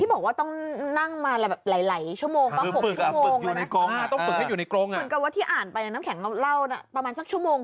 ที่บอกว่าต้องนั่งมาแบบหลายชั่วโมงประมาณ๖ชั่วโมง